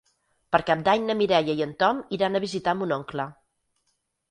Per Cap d'Any na Mireia i en Tom iran a visitar mon oncle.